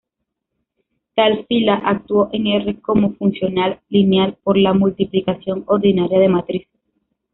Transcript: Tal fila actúa en R como funcional lineal por la multiplicación ordinaria de matrices.